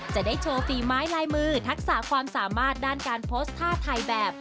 จะได้โชว์ฝีไม้ลายมือทักษะความสามารถด้านการโพสต์ท่าถ่ายแบบ